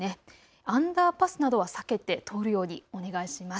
アンダーパスなどは避けて通るようにお願いします。